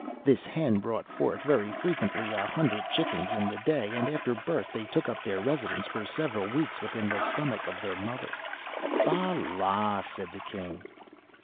This hen brought forth very frequently, a hundred chickens in the day; and, after birth, they took up their residence for several weeks within the stomach of their mother.'" (*21) "Fal lal!" said the king.